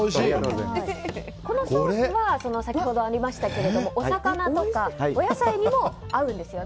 このソースは先ほどありましたがお魚とかお野菜にも合うんですよね。